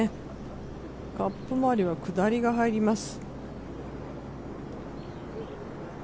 カップ周りは下りが入ります。